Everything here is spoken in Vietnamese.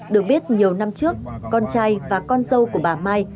được biết nhiều năm trước con trai và con dâu của bà mai